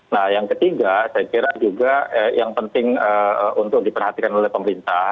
nah yang ketiga saya kira juga yang penting untuk diperhatikan oleh pemerintah